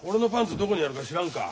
どこにあるか知らんか？